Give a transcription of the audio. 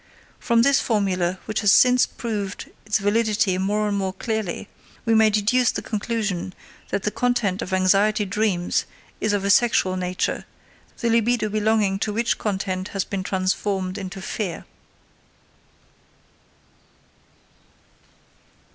From this formula, which has since proved its validity more and more clearly, we may deduce the conclusion that the content of anxiety dreams is of a sexual nature, the libido belonging to which content has been transformed into fear.